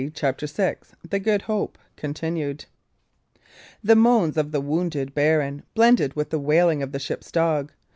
CHAPTER VI THE GOOD HOPE (concluded) The moans of the wounded baron blended with the wailing of the ship's dog.